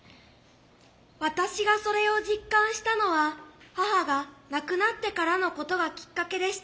私がそれを実感したのは母が亡くなってからのことがきっかけでした。